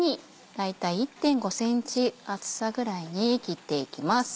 大体１．５ｃｍ厚さぐらいに切っていきます。